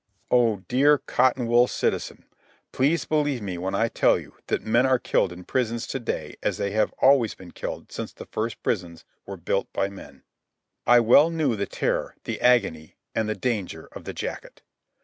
Oh, dear, cotton wool citizen, please believe me when I tell you that men are killed in prisons to day as they have always been killed since the first prisons were built by men. I well knew the terror, the agony, and the danger of the jacket.